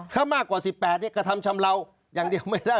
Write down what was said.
ถ้ามากกว่า๑๘กระทำชำเลาอย่างเดียวไม่ได้